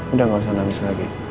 udah gak usah nangis lagi